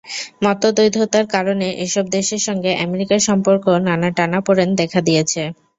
মতদ্বৈধতার কারণে এসব দেশের সঙ্গে আমেরিকার সম্পর্কে নানা টানাপোড়েন দেখা দিয়েছে।